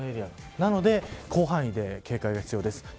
なので、広範囲で警戒が必要です。